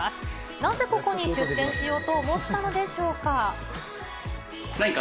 なぜここに出店しようと思ったのでしょうか。